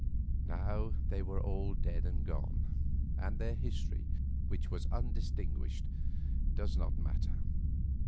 Now they were all dead and gone, and their history, which was undistinguished, does not matter.